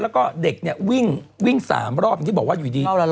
แล้วก็เด็กเนี่ยวิ่ง๓รอบอย่างที่บอกว่าอยู่ดี